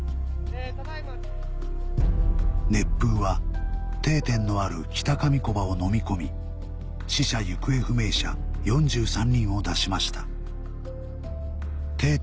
・熱風は「定点」のある北上木場をのみ込み死者行方不明者４３人を出しました「定点」